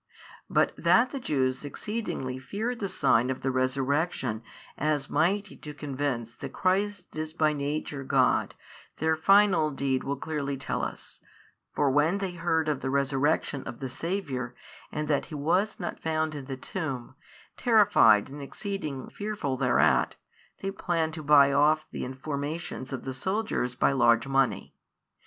But that the Jews exceedingly feared the sign of the resurrection as mighty to convince that Christ is by Nature God, their final deed will clearly tell us, for when they heard of the Resurrection of the Saviour, and that He was not found in the tomb, terrified and exceeding fearful thereat, they planned to buy off the informations of the soldiers by large money.